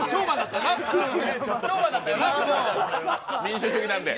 民主主義なんで。